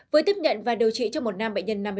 với tiếp nhận và điều trị cho một nam bệnh nhân